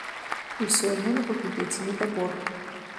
І ўсё адно на факультэце недабор.